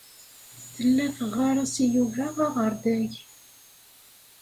Tella teɣɣar-as i Yuba aɣerday.